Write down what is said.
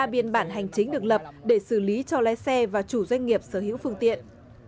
một mươi biên bản hành chính được lập để xử lý cho lái xe và chủ doanh nghiệp sở hữu phương tiện